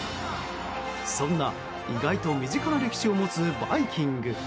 そんな意外と身近な歴史を持つバイキング。